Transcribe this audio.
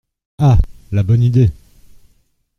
Ah ! la bonne idée !